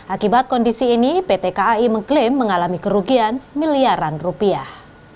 akibat kondisi ini pt kai mengklaim mengalami kerugian miliaran rupiah